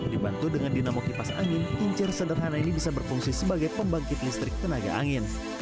dibantu dengan dinamo kipas angin kincir sederhana ini bisa berfungsi sebagai pembangkit listrik tenaga angin